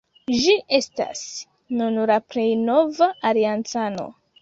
Ĝi estas nun la plej nova aliancano.